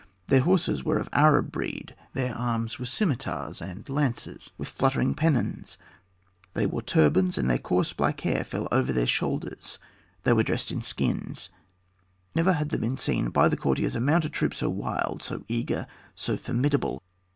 Their horses were of Arab breed, their arms were scimitars and lances, with fluttering pennons; they wore turbans, and their coarse black hair fell over their shoulders; they were dressed in skins. Never had there been seen by the courtiers a mounted troop so wild, so eager, so formidable.